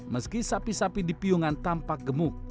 meski sapi sapi dipiungan tampak gemuk